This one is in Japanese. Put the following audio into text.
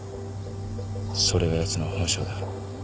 それがやつの本性だ。